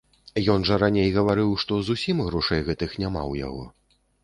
Ён жа раней гаварыў, што зусім грошай гэтых няма ў яго.